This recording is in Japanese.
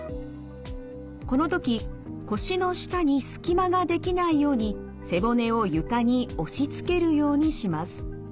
この時腰の下に隙間が出来ないように背骨を床に押しつけるようにします。